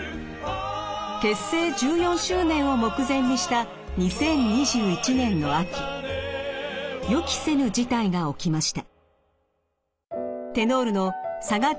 結成１４周年を目前にした２０２１年の秋予期せぬ事態が起きました。